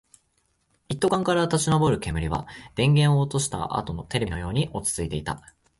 一斗缶から立ち上る煙は、電源を落としたあとのテレビのように落ち着いていた